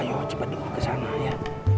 ayo cepat miser kesana ya